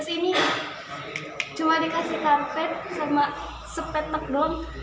ini hanya diberi karpet dan sepetek saja